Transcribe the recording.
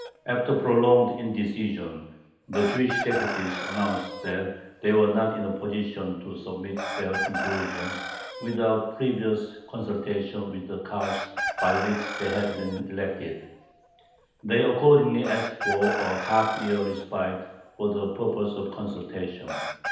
After "prolonged indecision" the Jewish deputies announced that they were not in a position to submit their conclusions, without previous consultation with the Kahals by which they had been elected. They accordingly asked for a half year's respite "for the purpose of consultation."